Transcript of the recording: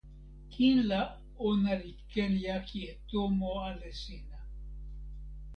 kin la ona li ken jaki e tomo ale sina.